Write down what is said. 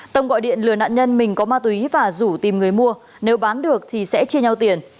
tâm gọi điện lừa nạn nhân mình có ma túy và rủ tìm người mua nếu bán được thì sẽ chia nhau tiền